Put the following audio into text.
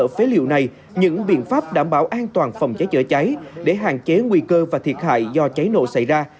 trong thời gian này những biện pháp đảm bảo an toàn phòng cháy chữa cháy để hạn chế nguy cơ và thiệt hại do cháy nộ xảy ra